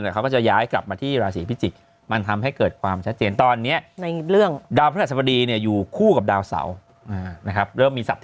เขาหลายคนก็บอกว่าจะมี